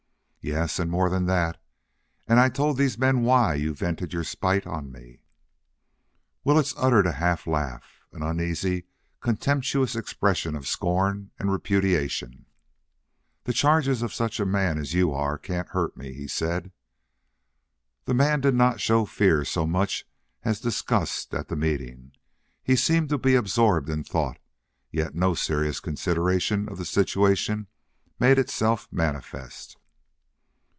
"Yes, and more than that. And I told these men WHY you vented your spite on me." Willetts uttered a half laugh, an uneasy, contemptuous expression of scorn and repudiation. "The charges of such a man as you are can't hurt me," he said. The man did not show fear so much as disgust at the meeting. He seemed to be absorbed in thought, yet no serious consideration of the situation made itself manifest.